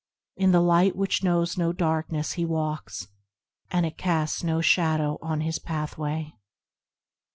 In the Light which knows no darkness he walks, And it casts no shadow on his pathway.